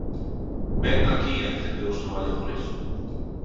¿Vén aquí a defender os traballadores?